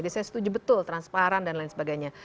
jadi saya setuju betul transparan dan lain sebagainya